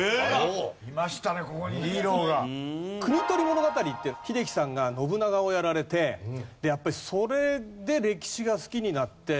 『国盗り物語』って英樹さんが信長をやられてやっぱりそれで歴史が好きになって。